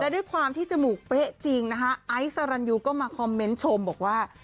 ด้วยความที่จมูกเป๊ะจริงนะคะไอซ์สรรยูก็มาคอมเมนต์ชมบอกว่า